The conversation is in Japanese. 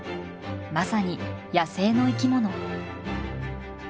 まさに野生の生き物。